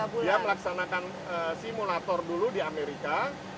dia melaksanakan simulator dulu di amerika